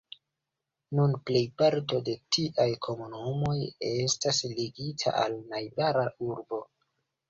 Nun plejparto de tiaj komunumoj estas ligita al najbara urbo.